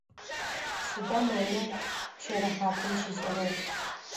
Сыда нанэ пщэрыхьапӏэм щишӏэрэр?